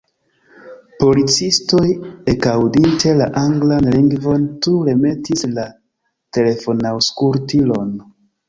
Policistoj, ekaŭdinte la anglan lingvon, tuj remetis la telefonaŭskultilon.